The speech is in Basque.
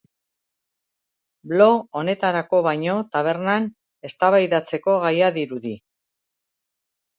Blog honetarako baino tabernan eztabaidatzeko gaia dirudi.